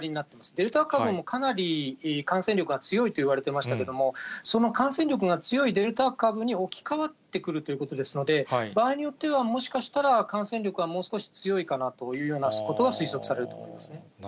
デルタ株もかなり感染力が強いといわれてましたけれども、その感染力が強いデルタ株に置き換わってくるということですので、場合によってはもしかしたら、感染力がもう少し強いかなというようなことは推測されると思いますね。